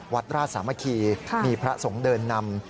วัดราชสามัคคีมีพระสงฆ์เดินนำ